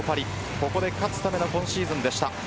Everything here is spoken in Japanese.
ここで勝つための今シーズンでした。